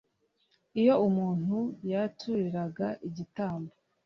iyo umuntu yaturaga igitambo